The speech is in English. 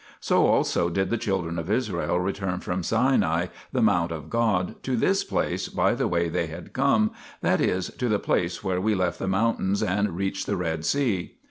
So also did the children of Israel return from Sinai, the mount of God, to this place by the way they had come, that is, to the place where we left the mountains and reached the Red Sea.